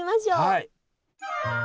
はい。